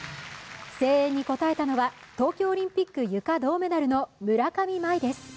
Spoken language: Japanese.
声援に応えたのは、東京オリンピックゆか銅メダルの村上茉愛です。